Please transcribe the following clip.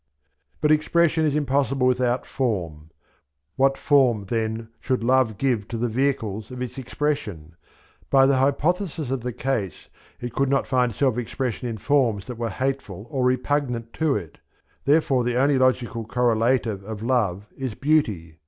But expression is impossible without Form. What Form, then, should Love give to the vehicles of its expression? By the hypothesis of the case it could not find self expression in forms that were hateful or repugnant to it therefore the only logical correlative of Love is Beauty.